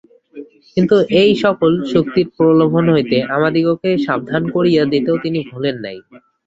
কিন্তু এই-সকল শক্তির প্রলোভন হইতে আমাদিগকে সাবধান করিয়া দিতেও তিনি ভুলেন নাই।